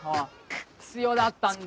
必要だったんだ